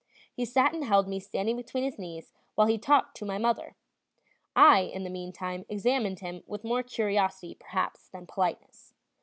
He sat and held me standing between his knees while he talked to my mother. I, in the mean time, examined him with more curiosity, perhaps, than politeness.